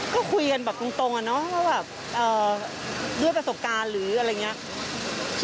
ก็คุยกันแบบตรงด้วยประสบการณ์หรืออะไรอย่างนี้